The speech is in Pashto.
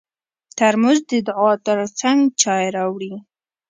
ترموز د دعا تر څنګ چای راوړي.